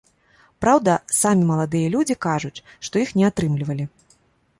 Праўда, самі маладыя людзі кажуць, што іх не атрымлівалі.